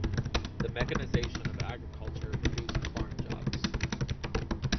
The mechanization of agriculture reduced farm jobs.